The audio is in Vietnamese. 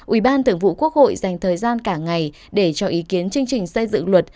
ủy ban thường vụ quốc hội dành thời gian cả ngày để cho ý kiến chương trình xây dựng luật